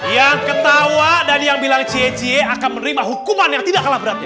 yang ketawa dan yang bilang cici akan menerima hukuman yang tidak kalah beratnya